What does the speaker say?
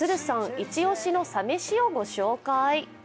イチ押しのサ飯をご紹介。